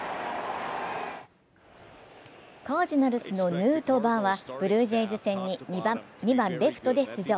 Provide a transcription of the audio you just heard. カージナルスのヌートバーはブルージェイズ戦に２番レフトで出場。